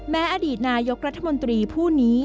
อดีตนายกรัฐมนตรีผู้นี้